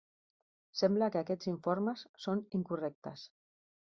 Sembla que aquests informes són incorrectes.